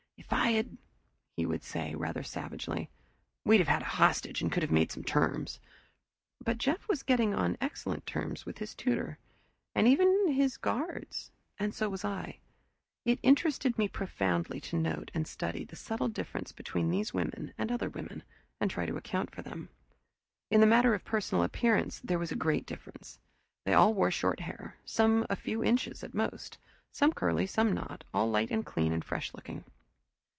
"If I had " he would say, rather savagely, "we'd have had a hostage and could have made terms." But Jeff was getting on excellent terms with his tutor, and even his guards, and so was I. It interested me profoundly to note and study the subtle difference between these women and other women, and try to account for them. In the matter of personal appearance, there was a great difference. They all wore short hair, some few inches at most; some curly, some not; all light and clean and fresh looking.